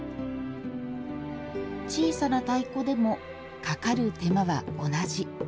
小さな太鼓でもかかる手間は同じ。